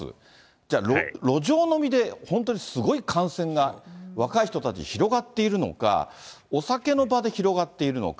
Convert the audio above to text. じゃあ、路上飲みで本当にすごい感染が若い人たちに広がっているのか、お酒の場で広がっているのか。